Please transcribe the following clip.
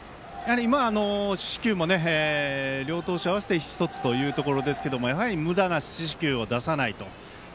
今、四死球も両投手合わせて１つというところですけどやはり、むだな四死球を出さないと。